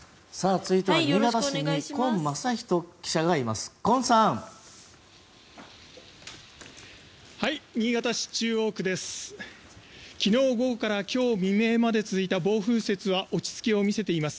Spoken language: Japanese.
続いては、新潟市に近正仁記者がいます。